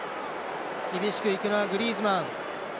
厳しくいくのはグリーズマン。